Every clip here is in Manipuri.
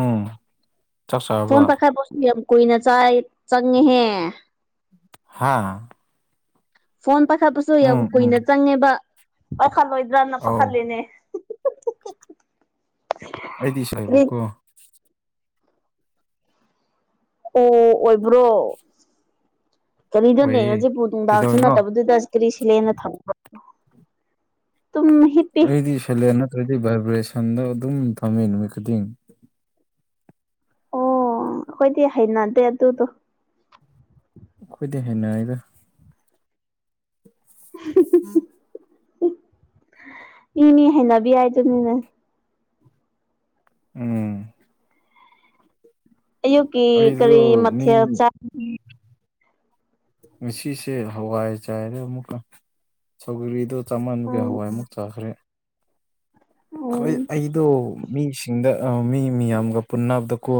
ꯎꯝ ꯆꯥꯛ ꯆꯥꯔꯕ ꯐꯣꯟ ꯄꯥꯏꯈꯠꯄꯁꯨ ꯌꯥꯝ ꯀꯨꯏꯅ ꯆꯥꯏ ꯆꯪꯉꯤꯍꯦ ꯍꯥꯥ ꯐꯣꯟ ꯄꯥꯏꯈꯠꯄꯁꯨ ꯌꯥꯝ ꯀꯨꯏꯅ ꯆꯪꯉꯦꯕ [unintelligible] ꯂꯣꯏꯗ꯭ꯔꯅ ꯑꯧ ꯄꯥꯈꯠꯂꯤꯅꯦ ꯑꯩꯗꯤ ꯁꯣꯏꯕ ꯀꯔꯤ ꯀꯣ ꯑꯣ ꯑꯣꯏꯕ꯭ꯔꯣ ꯀꯔꯤꯅꯣꯅꯦ ꯑꯣꯏꯌꯦ ꯍꯧꯖꯤꯛꯄꯨ ꯅꯨꯡꯗꯥꯡꯁꯨ ꯀꯩꯗꯧꯔꯤꯅꯣ ꯅꯠꯇꯕꯗꯨꯗ ꯀꯔꯤ ꯁꯤꯂꯦꯟꯗ ꯊꯝꯕ꯭ꯔꯣ ꯇꯨꯝ ꯍꯤꯞꯄꯤ ꯑꯩꯗꯤ ꯁꯥꯏꯂꯦꯟ ꯅꯠꯇ꯭ꯔꯗꯤ ꯚꯥꯏꯕ꯭ꯔꯦꯁꯟꯗꯣ ꯑꯗꯨꯝ ꯊꯝꯃꯤ ꯅꯨꯃꯤꯠ ꯈꯨꯗꯤꯡ ꯑꯣ ꯑꯈꯣꯏꯗꯤ ꯍꯩꯅꯗꯦ ꯑꯗꯨꯗꯣ ꯑꯈꯣꯏꯗꯤ ꯍꯩꯅꯩꯗ [unintelligible] ꯃꯤꯃꯤ ꯍꯩꯅꯕꯤ ꯍꯥꯏꯗꯨꯅꯤꯅꯦ ꯎꯝ ꯑꯌꯨꯛꯀꯤ ꯀꯔꯤ ꯑꯩꯗꯣ ꯃꯤ ꯃꯊꯦꯜ [unintelligible] ꯉꯁꯤꯁꯦ ꯍꯋꯥꯏ ꯆꯥꯏꯔꯦ ꯑꯃꯨꯛꯀ ꯁꯧꯒ꯭ꯔꯤꯗꯣ ꯆꯥꯃꯟꯕꯒꯤ ꯎꯝ ꯍꯋꯥꯏ ꯑꯃꯨꯛ ꯆꯥꯈ꯭ꯔꯦ ꯑꯈꯣꯏ ꯎꯝ ꯑꯩꯗꯣ ꯃꯤꯁꯤꯡꯗ ꯑ ꯃꯤ ꯃꯤꯌꯥꯝꯒ ꯄꯨꯟꯅꯕꯗꯀꯣ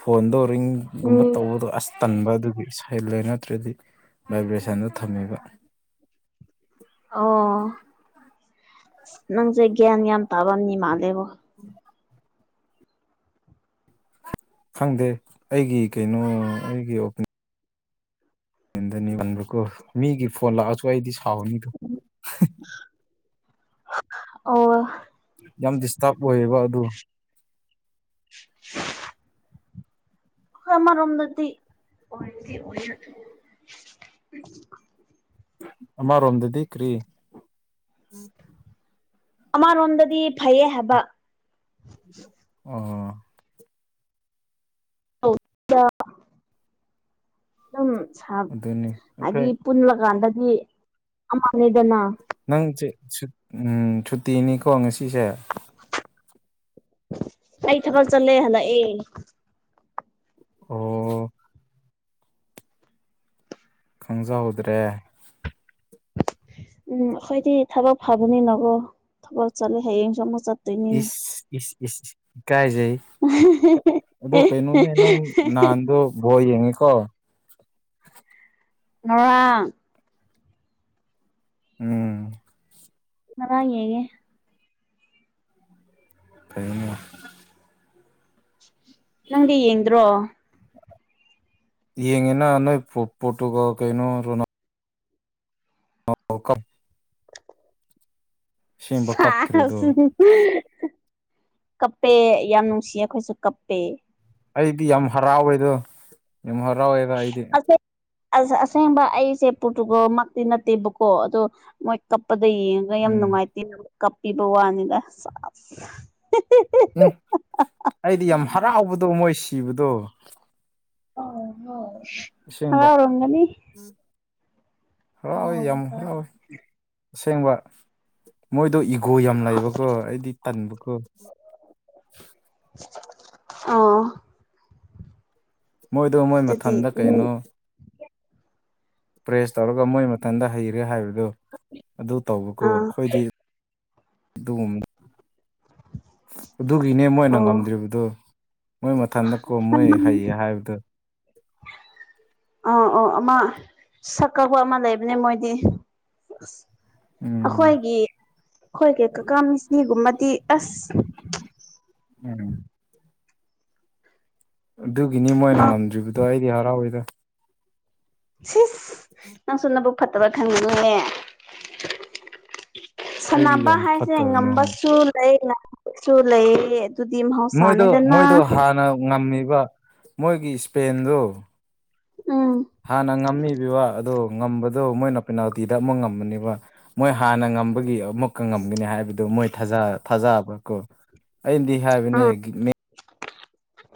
ꯐꯣꯟꯗꯣ ꯔꯤꯡꯒꯨꯝꯕ ꯎꯝ ꯇꯧꯕꯗꯣ ꯑꯁ ꯇꯟꯕ ꯑꯗꯨꯒꯤ ꯁꯥꯏꯂꯦꯟ ꯅꯠꯇ꯭ꯔꯗꯤ ꯚꯥꯏꯕ꯭ꯔꯦꯁꯟꯗꫭ ꯊꯝꯃꯤꯕ ꯅꯪꯖꯦ ꯒ꯭ꯌꯥꯟ ꯌꯥꯝ ꯇꯥꯕ ꯃꯤ ꯃꯥꯟꯂꯦꯕꯣ [unintelligible] ꯈꯪꯗꯦ ꯑꯩꯒꯤ ꯀꯩꯅꯣ ꯑꯩꯒꯤ [unintelligible] ꯇꯟꯕꯀꫭ ꯃꯤꯒꯤ ꯐꯣꯟ ꯂꯥꯛꯑꯁꯨ ꯑꯩꯗꯤ ꯁꯥꯎꯅꯤ [unintelligible] [unintelligible] ꯑꯣ ꯌꯥꯝ ꯗꯤꯁꯇꯔꯕ ꯑꯣꯏꯌꯦꯕ ꯑꯗꯨ [unintelligible] ꯍꯣꯏ ꯑꯃꯔꯣꯝꯗꯗꯤ ꯑꯣꯏꯕꯗꯤ ꯑꯣꯏꯌꯦ ꯑꯃꯔꯣꯝꯗꯗꯤ ꯀ꯭ꯔꯤ ꯑꯃꯔꯣꯝꯗꯗꯤ ꯐꯩꯌꯦ ꯍꯥꯏꯕ ꯑꯣ ꯑꯧ [unintelligible] ꯑꯗꯨꯝ [unintelligible] ꯑꯗꯨꯅꯤ ꯍꯥꯏꯗꯤ ꯑꯩꯈꯣꯏ ꯄꯨꯜꯂꯀꯥꯟꯗꯗꯤ ꯑꯃ ꯅꯪ ꯆꯦ ꯁꯨ ꯎꯝ ꯁꯨꯇꯤꯅꯤꯀꯣ ꯉꯁꯤꯁꯦ ꯑꯩ ꯊꯕꯛ ꯆꯠꯂꯦ ꯍꯜꯂꯛꯑꯦ ꯑꯣ ꯈꯪꯖꯍꯧꯗ꯭ꯔꯦ ꯎꯝ ꯑꯈꯣꯏꯗꯤ ꯊꯕꯛ ꯐꯥꯕꯅꯤꯅꯒꯣ ꯊꯕꯛ ꯆꯠꯂꯦ ꯍꯌꯦꯡꯁꯨ ꯑꯃꯨꯛ ꯆꯠ ꯏꯁ ꯏꯁ ꯏꯁ ꯏꯀꯥꯏꯖꯩ ꯑꯗꯣ ꯀꯩꯅꯣꯅꯦ ꯅꯪ ꯅꯍꯥꯟꯗꯣ ꯕꯣꯜ ꯌꯦꯡꯉꯤꯀꯣ ꯉꯔꯥꯡ ꯎꯝ ꯉꯔꯥꯡ ꯌꯦꯡꯉꯦ ꯐꯩꯅꯦ ꯅꯪꯗꯤ ꯌꯦꯡꯗ꯭ꯔꯣ ꯌꯦꯉꯦ ꯅꯣ ꯅꯣꯢ ꯄꯣꯔꯇꯨꯒꯜ ꯀꯩꯅꯣ ꯔꯣꯅꯥ ꯑꯣ ꯀꯞ ꯑꯁꯦꯡꯕ ꯀꯞꯈ꯭ꯔꯦꯗꯣ ꯁꯥꯁ ꯍꯤꯍꯤꯍꯤ ꯀꯞꯄꯦ ꯌꯥꯝ ꯅꯨꯡꯁꯤꯌꯦ ꯑꯩꯈꯣꯏꯁꯨ ꯀꯞꯄꯦ ꯑꯩꯗꯤ ꯌꯥꯝ ꯍꯔꯥꯎꯋꯦꯗꯣ ꯌꯥꯝ ꯍꯔꯥꯎꯋꯦꯗ ꯑꯩꯗꯤ ꯑꯁ ꯑꯁꯦꯡꯕ ꯑꯩꯁꯦ ꯄꯣꯔꯇꯨꯒꯜꯃꯛꯇꯤ ꯅꯠꯇꯦꯕꯀꯣ ꯑꯗꯣ ꯃꯣꯏ ꯀꯞꯄ ꯗꯣ ꯌꯦꯡꯉꯒ ꯌꯥꯝ ꯎꯝ ꯅꯨꯡꯉꯥꯏꯇꯦ ꯀꯞꯄꯤꯕ ꯋꯥꯅꯤꯗ ꯁꯥꯁ ꯎꯝ ꯑꯩꯗꯤ ꯌꯥꯝ ꯍꯔꯥꯎꯕꯗꯣ ꯃꯣꯏ ꯁꯤꯕꯗꯣ ꯑꯁꯦꯡꯕ ꯍꯔꯥꯎꯔꯝꯒꯅꯤ ꯍꯔꯥꯎꯋꯦ ꯌꯥꯝ ꯍꯔꯥꯎꯋꯦ ꯑꯁꯦꯡꯕ ꯃꯣꯏꯗꯣ ꯏꯒꯣ ꯌꯥꯝ ꯂꯩꯕꯀꯣ ꯑꯩꯗꯤ ꯇꯟꯕꯀꯣ ꯑꯣ ꯃꯣꯏꯗꯣ ꯃꯣꯏ ꯑꯗꯨꯗꯤ ꯃꯊꯟꯗ ꯎꯝ ꯀꯩꯅꯣ ꯄ꯭ꯔꯦꯁ ꯇꯧꯔꯒ ꯃꯣꯏ ꯃꯊꯟꯗ ꯍꯩꯔꯦ ꯍꯥꯏꯕꯗꯣ ꯑꯗꯨ ꯇꯧꯕꯀꯣ ꯑꯥ ꯑꯩꯈꯣꯏꯗꯤ ꯑꯗꯨꯒꯨꯝ ꯑꯗꯨꯒꯤꯅꯦ ꯃꯣꯏꯅ ꯑꯣ ꯉꯝꯗ꯭ꯔꯤꯕꯗꯣ ꯃꯣꯏ ꯃꯊꯟꯗ ꯀꯣ ꯃꯣꯏ ꯍꯩꯌꯦ ꯍꯥꯏꯕꯗꯨ ꯃꯥ ꯁꯛ ꯀꯥꯛꯄ ꯑꯃ ꯂꯩꯕꯅꯦ ꯃꯣꯏꯗꯤ ꯑꯁ ꯎꯝ ꯑꯩꯈꯣꯏꯒꯤ ꯈꯣꯢꯒꯤ ꯀꯥꯀꯥ ꯃꯦꯁꯤꯒꯨꯝꯕꯗꯤ ꯑꯁ ꯎꯝ ꯑꯗꯨꯒꯤꯅꯤ ꯃꯣꯏꯅ ꯉꯝꯗ꯭ꯔꯤꯕꯗꯣ ꯑꯩꯗꯤ ꯍꯔꯥꯎꯋꯦꯗ ꯁꯤꯁ ꯅꯪꯁꯨ ꯅꯕꯨꯛ ꯐꯠꯇꯕ ꯈꯟꯒꯅꯨꯅꯦ ꯑꯩꯗꯤ ꯁꯥꯟꯅꯕ ꯌꯥꯝ ꯍꯥꯏꯁꯦ ꯐꯠꯇꯕꯅꯦ ꯍꯣꯏ ꯉꯝꯕꯁꯨ ꯂꯩ ꯉꯥꯡꯕꯁꯨ ꯂꯩ ꯃꯣꯏꯗꯣ ꯃꯣꯏꯗꯣ ꯍꯥꯟꯅ ꯉꯝꯃꯤꯕ ꯃꯣꯏꯒꯤ ꯏꯁꯄꯦꯟꯗꯣ ꯎꯝ ꯍꯥꯥꯟꯅ ꯉꯝꯃꯤꯕꯤ ꯋꯥ ꯑꯗꯣ ꯉꯝꯕꯗꯣ ꯃꯣꯏꯅ ꯄꯦꯅꯥꯜꯇꯤꯗ ꯑꯃꯛ ꯉꯝꯕꯅꯦꯕ ꯃꯣꯏ ꯍꯥꯟꯅ ꯉꯝꯕꯒꯤ ꯑꯃꯨꯛꯀ ꯉꯝꯒꯅꯤ ꯍꯥꯏꯕ ꯗꯣ ꯃꯣꯏ ꯊꯥꯖ ꯊꯥꯖꯕꯀꯣ ꯑꯩꯅꯗꯤ ꯍꯥꯏꯕꯅꯦ ꯎꯝ ꯃꯦ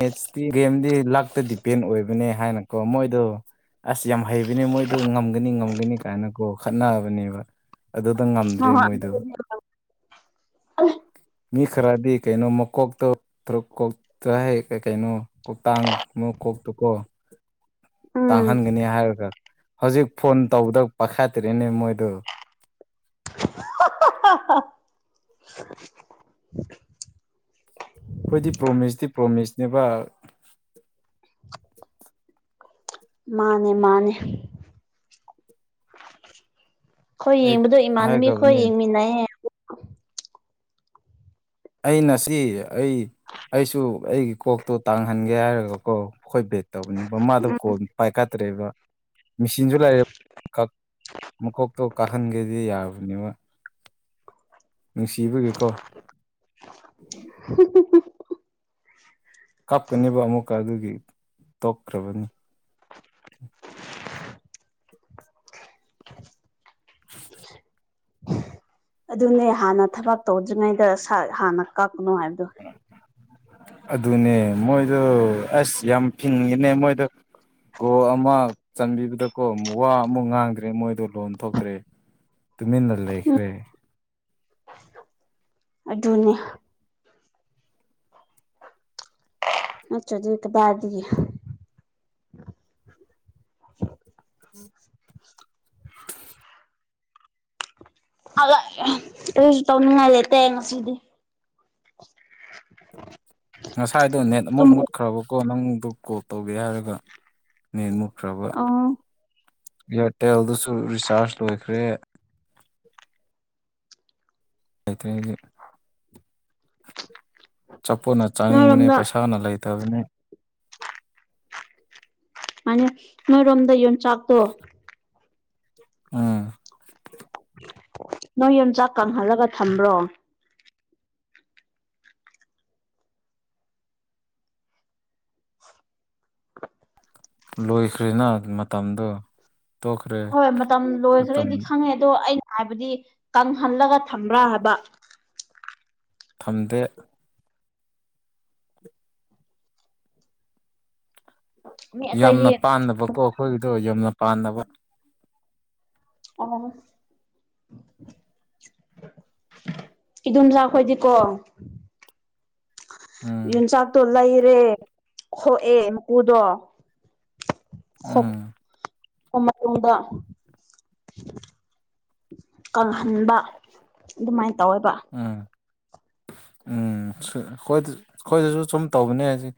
ꯃꯦꯠꯁꯇꯤ ꯒꯦꯝꯗꯤ ꯂꯛꯇ ꯗꯤꯄꯦꯟ ꯑꯣꯏꯕꯅꯦ ꯍꯥꯏꯅꯀꯣ ꯃꯣꯏꯗꯣ ꯑꯁ ꯌꯥꯝ ꯍꯩꯕꯅꯦ ꯃꯣꯏꯗꯣ ꯉꯝꯒꯅꯤ ꯉꯝꯒꯅꯤ ꯀꯥꯏꯅꯀꯣ ꯈꯠꯅꯕꯅꯦꯕ ꯑꯗꯨꯗ ꯍꯣꯏ ꯉꯝꯗ꯭ꯔꯦ ꯃꯣꯏꯗꯨ ꯍꯣꯏ ꯑꯗꯨꯕꯨꯗꯤ ꯃꯤ ꯈꯔꯗꯤ ꯀꯩꯩꯅꯣ ꯃ ꯀꯣꯛꯇꯣ ꯇ꯭ꯔꯨꯛ ꯀꯣꯛꯇ ꯍꯦꯛ ꯀꯩ ꯀꯩꯅꯣ ꯀꯣꯛꯇꯥꯡ ꯑꯃꯨꯛ ꯀꯣꯛꯇꯨꯀꯣ ꯎꯝ ꯇꯥꯡꯍꯟꯒꯅꯤ ꯍꯥꯏꯔꯒ ꯍꯧꯖꯤꯛ ꯐꯣꯟ ꯇꯧꯕꯗ ꯄꯥꯈꯥꯏꯠꯇ꯭ꯔꯤꯅꯦ ꯃꯣꯏꯗꯨ [unintelligible] ꯑꯩꯈꯣꯏꯗꯤ ꯄ꯭ꯔꯣꯃꯤꯁꯇꯤ ꯄ꯭ꯔꯣꯃꯤꯁꯅꯦꯕ ꯃꯥꯅꯦ ꯃꯥꯅꯦ ꯈꯣꯏ ꯑꯩ ꯌꯦꯡꯕꯗꯨ ꯏꯃꯥꯟꯅꯕꯤ ꯈꯣꯏ ꯍꯥꯏꯈ꯭ꯔꯕꯅꯦ ꯌꯦꯡꯃꯤꯟꯅꯌꯦ ꯑꯩꯅꯁꯤ ꯑꯩ ꯑꯩꯁꯨ ꯑꯩꯒꯤ ꯀꯣꯛꯇꯣ ꯇꯥꯡꯍꯟꯒꯦ ꯍꯥꯏꯔꯒꯀꯣ ꯑꯈꯣꯏ ꯕꯦꯠ ꯇꯧꯕꯅꯦꯕ ꯃꯥꯗꯣ ꯀꯣꯜ ꯄꯥꯏꯈꯠ ꯇ꯭ꯔꯦꯕ ꯃꯤꯁꯤꯟꯖꯨ ꯂꯩꯔꯦ ꯀꯛ ꯃꯀꯣꯛꯇꯣ ꯀꯥꯍꯟꯒꯦꯗꯤ ꯌꯥꯕꯅꯤꯕ ꯅꯨꯡꯁꯤꯕꯒꯤꯀꯣ ꯀꯞꯀꯅꯤꯕ ꯑꯃꯨꯛꯀ ꯑꯗꯨꯒꯤ ꯇꯣꯛꯈ꯭ꯔꯕꯅꯤ [inaudible] ꯑꯗꯨꯅꯦ ꯍꯥꯟꯅ ꯊꯕꯛ ꯇꯧꯗ꯭ꯔꯤꯉꯩꯗ ꯁꯥꯠ ꯍꯥꯟꯅ ꯀꯛꯀꯅꯨ ꯍꯥꯏꯕꯗꯨ ꯑꯗꯨꯅꯦ ꯃꯣꯏꯗꯣ ꯑꯁ ꯌꯥꯝ ꯐꯤꯡꯉꯦꯅꯦ ꯃꯣꯏꯗꯣ ꯒꯣꯜ ꯑꯃ ꯆꯟꯕꯤꯕꯗꯀꯣ ꯋꯥ ꯑꯃꯨꯛ ꯉꯥꯡꯗ꯭ꯔꯦ ꯃꯣꯏꯗꯣ ꯂꯣꯟ ꯊꯣꯛꯇ꯭ꯔꯦ ꯇꯨꯃꯤꯟꯅ ꯂꯩꯈ꯭ꯔꯦ ꯑꯗꯨꯅꯤ ꯅꯠꯇ꯭ꯔꯗꯤ ꯀꯗꯥꯢꯗꯒꯤ [inaudible] ꯍꯜꯂꯛꯑꯦ ꯀꯔꯤꯁꯨ ꯇꯧꯅꯤꯡꯉꯥꯏ ꯂꯩꯇꯦ ꯉꯁꯤꯗꯤ [inaudible] ꯉꯁꯥꯏꯗꯣ ꯅꯦꯠ ꯑꯃꯨꯛ ꯇꯨꯝ ꯃꯨꯠꯈ꯭ꯔꯕꯀꯣ ꯅꯪꯗꯣ ꯀꯣꯜ ꯇꯧꯒꯦ ꯍꯥꯏꯔꯒ ꯅꯦꯠ ꯑꯃꯨꯛ ꯈ꯭ꯔꯕ ꯑꯣ ꯏꯌꯥꯔꯇꯦꯜꯗꯨꯁꯨ ꯔꯤꯆꯥꯔꯖ ꯂꯣꯏꯈ꯭ꯔꯦ [unintelligible] ꯆꯥꯄꯣꯠꯅ ꯆꯥꯅꯤꯡꯕꯅꯦ ꯅꯣꯏꯔꯣꯝꯗ ꯄꯩꯁꯥꯅ ꯂꯩꯇꯕꯅꯤ ꯃꯥꯅꯦ ꯅꯣꯏꯔꯣꯝꯗ ꯌꯣꯟꯆꯥꯛꯇꯣ ꯎꯝ ꯅꯣꯏ ꯌꯣꯡꯆꯥꯛ ꯀꯪꯍꯜꯂꯒ ꯊꯝꯕ꯭ꯔꯣ ꯂꯣꯏꯈ꯭ꯔꯦꯅꯥ ꯃꯇꯝꯗꯣ ꯇꯣꯛꯈ꯭ꯔꯦ ꯍꯣꯏ ꯃꯇꯝ ꯃꯇꯝ ꯂꯣꯏꯗ꯭ꯔꯦꯗꯤ ꯈꯪꯉꯦ ꯑꯗꯣ ꯑꯩꯅ ꯍꯥꯏꯕꯗꯤ ꯀꯪꯍꯜꯂꯒ ꯊꯝꯕ꯭ꯔꯥ ꯍꯥꯕ ꯊꯝꯗꯦ ꯃꯤ ꯌꯥꯝꯅ ꯑꯇꯩꯗꯤ ꯄꯥꯟꯅꯕꯀꯣ ꯑꯈꯣꯏꯒꯤꯗꯣ ꯌꯥꯝꯅ ꯄꯥꯟꯅꯕ ꯑꯣ ꯏꯗꯣꯝꯆꯥꯥ ꯈꯣꯏꯗꯤꯀꯣ ꯎꯝ ꯌꯣꯟꯆꯥꯛꯇꯣ ꯂꯩꯔꯦ ꯈꯣꯛꯑꯦ ꯃꯀꯨꯗꯣ ꯈꯣꯞ ꯎꯝ ꯄ ꯃꯇꯨꯡꯗ ꯀꯪꯍꯟꯕ ꯑꯗꯨꯃꯥꯏ ꯇꯧꯋꯦꯕ ꯎꯝ ꯎꯝ ꯁꯤ ꯈꯣꯢꯗꯖꯨ ꯈꯣꯏꯗꯖꯨ ꯁꯨꯝ ꯇꯧꯕꯅꯦ ꯑꯁꯤ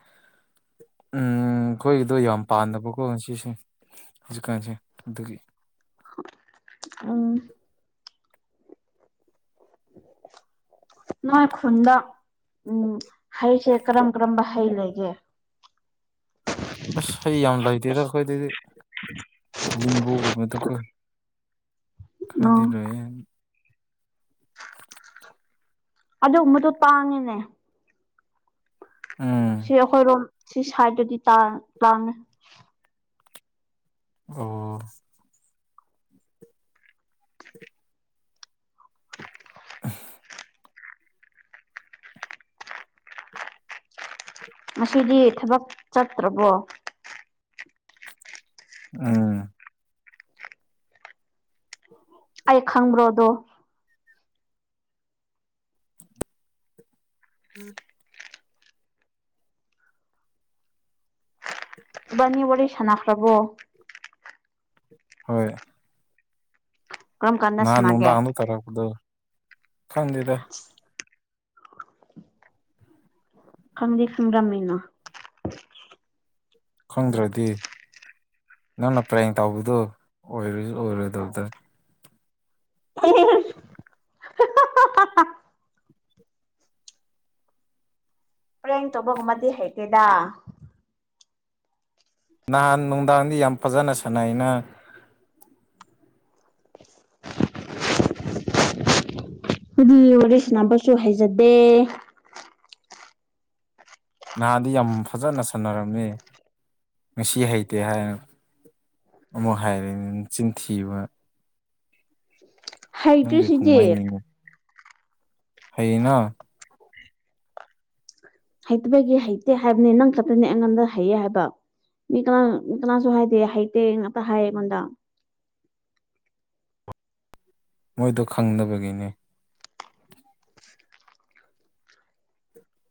ꯎꯝ ꯈꯣꯏꯒꯤꯗꯣ ꯌꯥꯝ ꯄꯥꯟꯗꯕꯀꯣ ꯉꯁꯤꯁꯦ ꯍꯨꯖꯤꯛꯀꯥꯟꯁꯦ ꯑꯗꯨꯒꯤ ꯎꯝ [inaudible] ꯅꯣꯏ ꯈꯨꯟꯗ ꯎꯝ ꯍꯩꯁꯦ ꯀꯔꯝ ꯀꯔꯝꯕ ꯍꯩ ꯂꯩꯒꯦ ꯑꯁ ꯍꯩ ꯌꯥꯝ ꯂꯩꯇꯦꯗ ꯑꯈꯣꯏꯗꯗꯤ ꯂꯤꯝꯕꯨꯒꯨꯝꯕꯗꯣ ꯀꯣ ꯈꯔꯗꯤ ꯎꯝ ꯂꯩꯌꯦ ꯑꯗꯨꯒꯨꯝꯕꯗꯨ ꯇꯥꯡꯉꯤꯅꯦ ꯎꯝ ꯁꯤ ꯑꯩꯈꯣꯏꯔꯣꯝ ꯁꯤ ꯁꯥꯏꯗꯠꯇꯗꯤ ꯇꯥꯡ ꯇꯥꯡꯉꯦ ꯑꯣ [unintelligible] ꯉꯁꯤꯗꯤ ꯊꯕꯛ ꯆꯠꯇ꯭ꯔꯕꯣ ꯎꯝ ꯑꯩ ꯈꯪꯕ꯭ꯔꯣ ꯑꯗꯣ [inaudible] ꯏꯕꯥꯅꯤ ꯋꯥꯔꯤ ꯁꯥꯟꯅꯈ꯭ꯔꯕꯣ ꯍꯣꯏ ꯀꯔꯝ ꯀꯥꯟꯗ ꯅꯍꯥꯟ ꯁꯥꯟꯅꯒꯦ ꯅꯣꯡꯗꯥꯡꯗ ꯇꯧꯔꯛꯄꯗꯨ ꯈꯪꯗꯦꯗ ꯈꯪꯗꯤ ꯈꯪꯔꯝꯃꯤꯅ ꯈꯪꯗ꯭ꯔꯗꯤ ꯅꯪꯅ ꯄꯔꯦꯡ ꯇꯧꯕꯗꯨ ꯑꯣꯏꯔꯖꯨ ꯑꯣꯏꯔꯣꯏ ꯗꯕꯗ ꯄꯔꯦꯡ ꯇꯧꯕꯒꯨꯝꯕꯗꯤ ꯍꯩꯇꯦꯗ ꯅꯍꯥꯟ ꯅꯨꯡꯗꯥꯡꯗꯤ ꯌꯥꯝ ꯐꯖꯅ ꯁꯥꯟꯅꯩꯩꯅ [inaudible] ꯑꯗꯨꯗꯤ ꯋꯥꯔꯤ ꯁꯥꯟꯅꯕꯁꯨ ꯍꯩꯖꯗꯦ ꯅꯍꯥꯟꯗꯤ ꯌꯥꯝ ꯐꯖꯅ ꯁꯥꯟꯅꯔꯝꯃꯦ ꯉꯁꯤ ꯍꯩꯇꯦ ꯍꯥꯏꯔꯅꯨ ꯑꯃꯨꯛ ꯍꯥꯏꯔꯦꯅꯦ ꯅꯆꯤꯟ ꯊꯤꯕ ꯍꯩꯇ꯭ꯔꯤ ꯁꯤꯗꯤ ꯀꯨꯝꯍꯩꯅꯤꯅꯦ ꯍꯩꯅ ꯍꯩꯇꯕꯒꯤ ꯍꯩꯇꯦ ꯍꯥꯏꯕꯅꯤ ꯅꯪ ꯈꯛꯇꯅꯦ ꯑꯩꯉꯣꯟꯗ ꯍꯩꯌꯦ ꯍꯥꯏꯕ ꯃꯤ ꯀꯅꯥ ꯀꯅꯥꯁꯨ ꯍꯥꯏꯗꯦ ꯍꯩꯇꯦ ꯉꯥꯛꯇ ꯍꯥꯏꯌꯦ ꯑꯩꯉꯣꯟꯗ ꯃꯣꯏꯗꯣ ꯈꯪꯗꯕꯒꯤꯅꯦ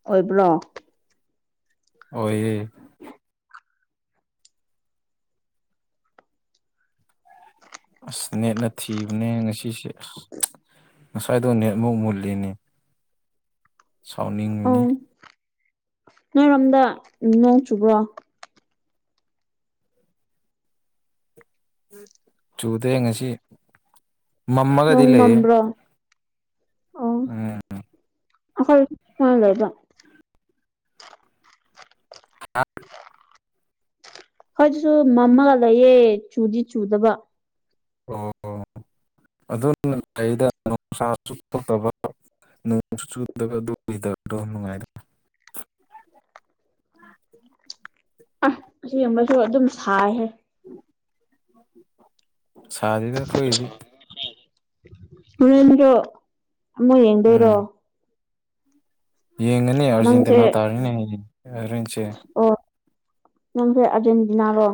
ꯑꯣꯏꯕ꯭ꯔꯣ ꯑꯣꯏꯌꯦ ꯑꯁ ꯅꯦꯠꯅ ꯊꯤꯕꯅꯦ ꯉꯁꯤꯁꯦ ꯑꯁ ꯉꯁꯥꯏꯗꯣ ꯅꯦꯠꯃꯨꯛ ꯃꯨꯠꯂꯤꯅꯦ ꯁꯥꯎꯅꯤꯡꯕꯅꯤ ꯎꯝ ꯅꯣꯏꯔꯣꯝꯗ ꯅꯣꯡ ꯆꯨꯕ꯭ꯔꯣ ꯆꯨꯗꯦ ꯉꯁꯤ ꯃꯝꯃꯒꯗꯤ ꯅꯣꯡ ꯂꯩꯌꯦ ꯃꯝꯕ꯭ꯔꯣ ꯑꯣ ꯎꯝ ꯑꯩꯈꯣꯏ ꯑꯉꯥꯡꯒꯩꯗꯣ [inaudible] ꯈꯣꯏꯗꯁꯨ ꯃꯝꯃꯒ ꯂꯩꯌꯦ ꯆꯨꯗꯤ ꯆꯨꯗꯕ ꯑꯣ ꯑꯣ ꯑꯗꯨꯝ ꯀꯩꯗ ꯅꯨꯡꯁꯥ ꯊꯣꯛꯇꯕ ꯅꯣꯡꯁꯨ ꯆꯨꯗꯕ ꯑꯗꯨꯝ ꯇꯥꯏꯄꯇꯣ ꯅꯨꯡꯉꯥꯏ ꯑ ꯑꯁꯤꯃꯁꯨ ꯑꯗꯨꯝ ꯁꯥꯏꯍꯦ ꯁꯥꯗꯦꯗ ꯑꯈꯣꯏꯗꯤ ꯍꯨꯔꯦꯟꯗꯔꯣ ꯑꯃꯨꯛ ꯌꯦꯡꯗꯣꯏꯔꯣ ꯎꯝ ꯌꯦꯡꯉꯅꯤ ꯅꯪꯁꯦ ꯑꯔꯖꯦꯟꯇꯤꯅꯥ ꯇꯥꯔꯅꯤ ꯍꯧꯖꯤꯛ ꯍꯣꯔꯦꯟꯁꯦ ꯑꯣ ꯅꯪꯁꯦ ꯑꯔꯖꯦꯟꯇꯤꯅꯥꯔꯣ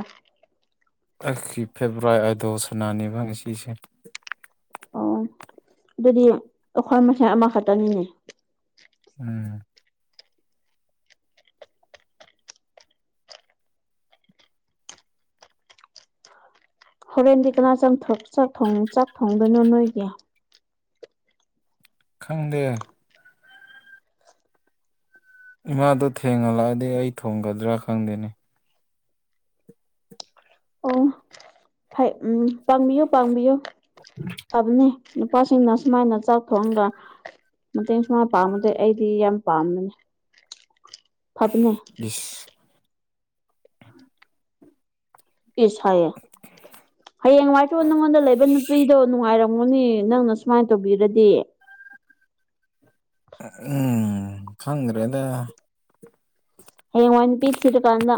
[unintelligible] ꯐꯦꯕꯔꯥꯏꯠ ꯑꯗꯣ ꯁꯥꯅꯅꯤꯕ ꯉꯁꯤꯁꯦ ꯑꯣ ꯑꯗꯨꯗꯤ ꯑꯩꯈꯣꯏ ꯃꯁꯦꯜ ꯑꯃꯈꯛꯇꯅꯤꯅꯦ ꯎꯝ ꯍꯣꯔꯦꯟꯗꯤ ꯀꯅꯥ ꯆꯪ ꯊꯣꯛ ꯆꯥꯛ ꯊꯣꯡ ꯆꯥꯛ ꯊꯣꯡꯗꯣꯏꯅꯣ ꯅꯣꯏꯒꯤ ꯈꯪꯗꯦ ꯏꯃꯥꯗꯣ ꯊꯦꯡꯍꯜꯂꯛꯑꯗꯤ ꯑꯩ ꯊꯣꯡꯒꯗ꯭ꯔꯥ ꯈꯪꯗꯦꯅꯦ ꯑꯣ ꯐꯩ ꯎꯝ ꯄꯥꯡꯕꯤꯌꯨ ꯄꯥꯡꯕꯤꯌꯨ ꯐꯕꯅꯦ ꯅꯨꯄꯥꯁꯤꯡꯅ ꯁꯨꯃꯥꯏꯅ ꯆꯥꯛ ꯊꯣꯡꯉꯒ ꯃꯇꯦꯡ ꯁꯨꯃꯥꯏ ꯄꯥꯡꯕꯖꯦ ꯑꯩꯗꯤ ꯌꯥꯝ ꯄꯥꯝꯕꯅꯦ ꯐꯕꯅꯦ ꯏꯁ ꯏꯁ ꯍꯥꯏꯌꯦ ꯍꯌꯦꯡꯋꯥꯥꯏꯁꯨ ꯅꯪꯉꯣꯟꯗ ꯂꯩꯕ ꯅꯨꯄꯤꯗꯣ ꯅꯨꯡꯉꯥꯏꯔꯣ [unintelligible] ꯅꯦ ꯅꯪꯅ ꯁꯨꯃꯥꯏ ꯇꯧꯕꯤꯔꯗꯤ ꯑ ꯑꯪ ꯈꯪꯗ꯭ꯔꯦꯗ ꯍꯌꯦꯡꯋꯥꯏ ꯅꯨꯄꯤ ꯊꯤꯔꯀꯥꯟꯗ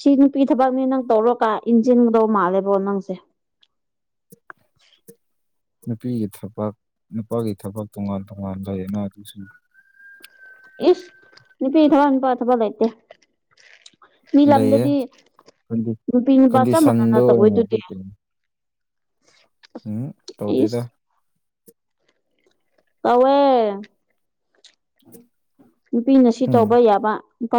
ꯁꯤ ꯅꯨꯄꯤ ꯊꯕꯛꯅꯤ ꯅꯪ ꯇꯧꯔꯣꯀꯥ ꯏꯟꯖꯤꯟꯒꯗꯧ ꯃꯥꯜꯂꯦꯕꯣ ꯅꯪꯁꯦ [inaudible] ꯅꯨꯄꯤꯒꯤ ꯊꯕꯛ ꯅꯨꯄꯥꯒꯤ ꯊꯕꯛ ꯇꯣꯉꯥꯟ ꯇꯣꯉꯥꯟ ꯂꯩꯌꯦꯅ ꯑꯗꯨꯁꯨ ꯏꯁ ꯅꯨꯄꯤ ꯊꯕꯛ ꯅꯨꯄꯥ ꯊꯕꯛ ꯂꯩꯇꯦ ꯃꯤ ꯂꯩꯌꯦ ꯂꯝꯗꯗꯤ ꯅꯨꯄꯤ ꯅꯨꯄꯥ ꯆꯞ ꯃꯥꯟꯅꯅ ꯀꯟꯗꯤꯁꯟꯗꯣ ꯑꯣꯏꯅꯗꯤ ꯇꯧꯏꯗꯨꯗꯤ [inaudible] ꯎꯝ ꯇꯧꯗꯦꯗ ꯇꯧꯋꯦ [inaudible] ꯅꯨꯄꯤꯅ ꯁꯤ ꯎꯝ ꯇꯧꯕ ꯌꯥꯕ ꯅꯨꯄꯥ